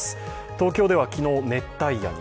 東京では昨日、熱帯夜に。